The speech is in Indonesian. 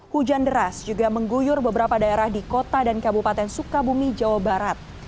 hujan deras juga mengguyur beberapa daerah di kota dan kabupaten sukabumi jawa barat